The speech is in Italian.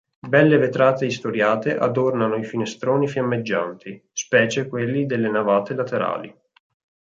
Belle vetrate istoriate adornano i finestroni fiammeggianti, specie quelli delle navate laterali.